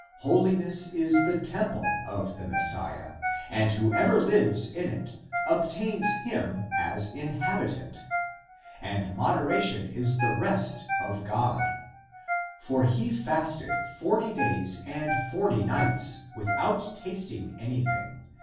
Holi ness is the temple of the Messiah, and whoever lives in it obtains him as inhabitant. <And moderation is the rest (recreation) of God.> For he fasted forty days and forty nights, without tasting any thing.